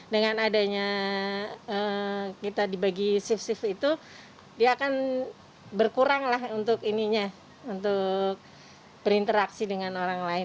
dengan adanya kita dibagi sif sif itu dia akan berkurang untuk perinteraksi dengan orang lain